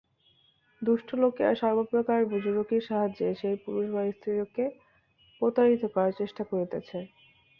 দুষ্ট লোকেরা সর্বপ্রকার বুজরুকির সাহায্যে সেই পুরুষ বা স্ত্রীকে প্রতারিত করার চেষ্টা করিতেছে।